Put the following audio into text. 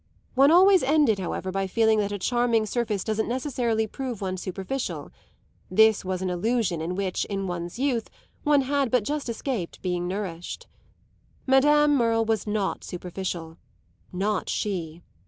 One always ended, however, by feeling that a charming surface doesn't necessarily prove one superficial; this was an illusion in which, in one's youth, one had but just escaped being nourished. Madame Merle was not superficial not she.